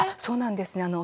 そうなんですね。